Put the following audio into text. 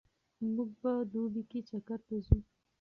موږ په دوبي کې چکر ته ځو.